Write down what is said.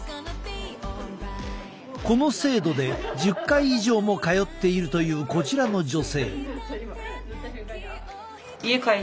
この制度で１０回以上も通っているというこちらの女性。